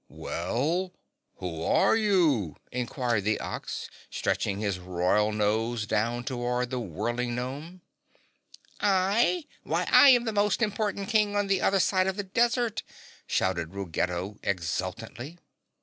"Well, who are you?" inquired the Ox, stretching his royal nose down toward the whirling gnome. "I, why, I am the most important King on the other side of the desert!" shouted Ruggedo exultantly.